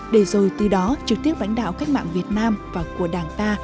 để rồi từ đó trực tiếp lãnh đạo cách mạng việt nam và của đảng ta